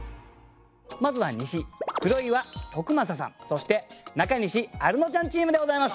まずは西黒岩徳将さんそして中西アルノちゃんチームでございます。